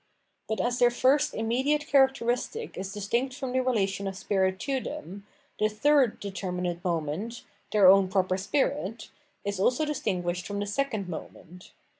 But as thek first immediate characteristic is distinct from the relation of 504 Phenomenology of Mind spirit to them, the third determinate moment — their own proper spirit— is also distinguished from the second moment.